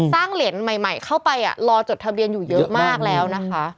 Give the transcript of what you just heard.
เหรียญใหม่เข้าไปรอจดทะเบียนอยู่เยอะมากแล้วนะคะ